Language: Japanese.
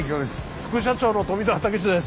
副社長の富澤たけしです。